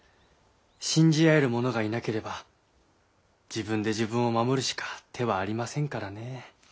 信じ合える者がいなければ自分で自分を守るしか手はありませんからねえ。